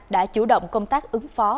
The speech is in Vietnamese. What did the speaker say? đã chủ động công tác ứng phó